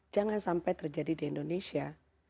jangan sampai terjadi di indonesia